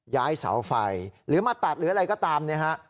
ย้ายเสาไฟหรือมาตัดหรืออะไรก็ตามเนี่ยฮะ